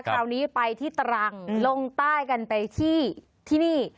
คราวนี้ไปที่ตรังลงใต้กันไปที่นี่